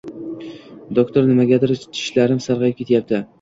- Doktor, nimagadir tishlarim sarg'ayib ketyapti?!